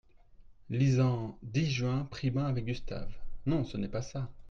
Lisant. « dix Juin — pris bain avec Gustave » non, ce n’est pas ça !